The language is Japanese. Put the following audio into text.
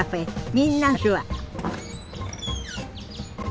「みんなの手話」